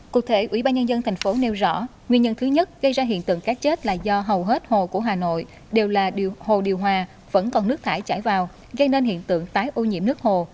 cụ thể ủy ban nhân dân thành phố nêu rõ nguyên nhân thứ nhất gây ra hiện tượng cá chết là do hầu hết hồ của hà nội đều là hồ điều hòa vẫn còn nước thải chảy vào gây nên hiện tượng tái ô nhiễm nước hồ